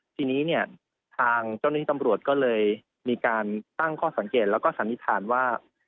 ทีนี้เนี่ยทางเจ้าหน้าที่ตำรวจก็เลยมีการตั้งข้อสังเกตแล้วก็สันนิษฐานว่า